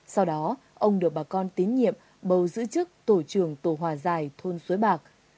sau đó ông được bà con tín nhiệm bầu giữ chức tổ trưởng tổ hòa giải thôn suối bạc